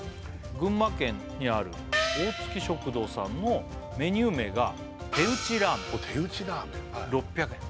群馬県にあるおおつき食堂さんのメニュー名が手打ちラーメン６００円